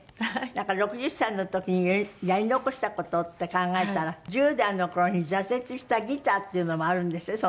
なんか６０歳の時にやり残した事って考えたら１０代の頃に挫折したギターっていうのもあるんですって？